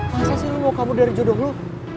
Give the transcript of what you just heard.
masa sih lu mau kabur dari jodoh lu